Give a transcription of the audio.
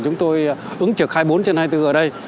chúng tôi ứng trực hai mươi bốn trên hai mươi bốn giờ đây